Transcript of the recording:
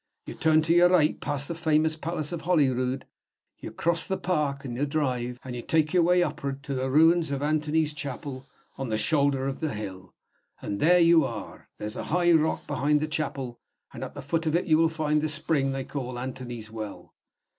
You turn to your right past the famous Palace of Holyrood; you cross the Park and the Drive, and take your way upward to the ruins of Anthony's Chapel, on the shoulder of the hill and there you are! There's a high rock behind the chapel, and at the foot of it you will find the spring they call Anthony's Well.